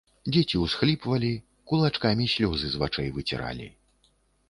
Дзеці усхліпвалі, кулачкамі слёзы з вачэй выціралі.